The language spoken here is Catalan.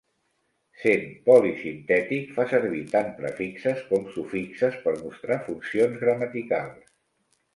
Sent polisintètic, fa servir tant prefixes com sufixes per mostrar funcions gramaticals.